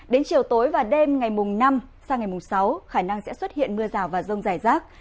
đến chiều tối và đêm ngày năm sang ngày mùng sáu khả năng sẽ xuất hiện mưa rào và rông rải rác